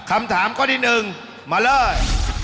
คำถามข้อที่๑มาเลย